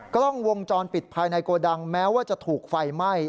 กล้องวงจรปิดภายในโกดังแม้ว่าจะถูกไฟไหม้